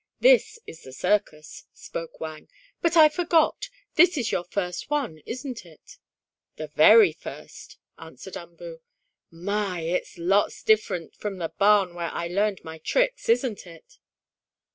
"This is the circus," spoke Wang. "But I forgot. This is your first one; isn't it?" "The very first," answered Umboo. "My! It's lots different from the barn where I learned my tricks, isn't it?"